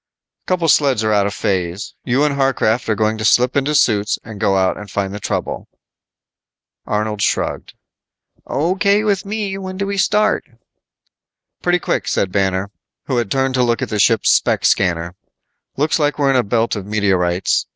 "Couple sleds are out of phase. You and Harcraft are going to slip into suits and go out and find the trouble." Arnold shrugged, "O.K. with me, when do we start?" "Pretty quick," said Banner, who had turned to look at the ship's spec scanner. "Looks like we're in a belt of meteorites.